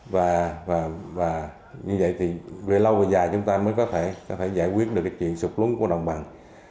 và như vậy thì về lâu về dài chúng ta mới có thể giải quyết được cái chuyện sụp lúng của đồng bằng